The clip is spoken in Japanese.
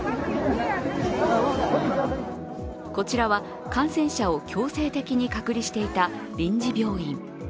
こちらは感染者を強制的に隔離していた臨時病院。